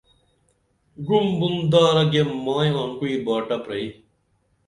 گُعُم بُن دارہ گیم مائی آنگوعی باٹہ پرَئی